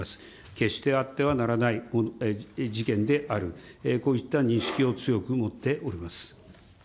決してあってはならない事件である、こういった認識を強く持っております。